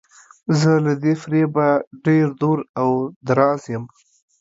زه له دې فریبه ډیر دور او دراز یم.